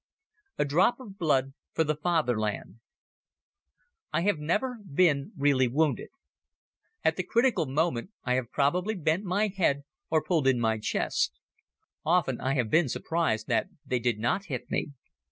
A Drop of Blood for the Fatherland I HAVE never been really wounded. At the critical moment I have probably bent my head or pulled in my chest. Often I have been surprised that they did not hit me.